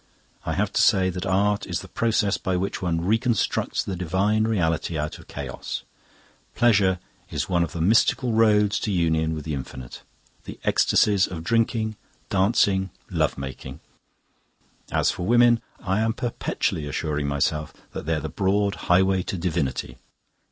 I have to say that art is the process by which one reconstructs the divine reality out of chaos. Pleasure is one of the mystical roads to union with the infinite the ecstasies of drinking, dancing, love making. As for women, I am perpetually assuring myself that they're the broad highway to divinity.